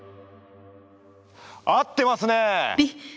合ってますね！